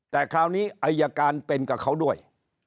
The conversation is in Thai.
แต่คราวนี้อายการเป็นกับเขาด้วย